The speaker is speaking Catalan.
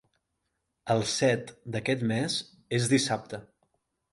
El set d'aquest mes és dissabte.